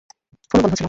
ফোনও বন্ধ ছিল।